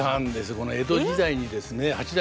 この江戸時代にですね八代